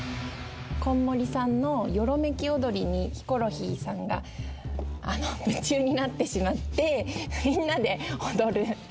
こんもりさんのよろめきおどりにヒコロヒーさんが夢中になってしまってみんなでおどる。